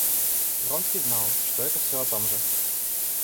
Вронский знал, что это всё о том же.